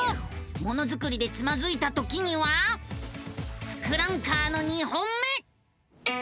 ものづくりでつまずいたときには「ツクランカー」の２本目！